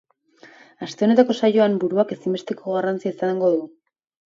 Aste honetako saioan, buruak ezinbesteko garrantzia izango du.